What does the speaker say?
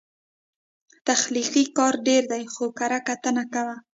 تخلیقي کار ډېر دی، خو کرهکتنه کمه